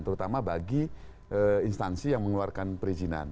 terutama bagi instansi yang mengeluarkan perizinan